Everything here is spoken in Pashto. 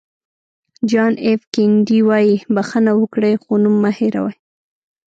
جان اېف کینېډي وایي بښنه وکړئ خو نوم مه هېروئ.